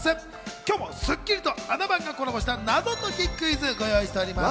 今日も『スッキリ』と『あな番』がコラボした謎解きクイズご用意しています。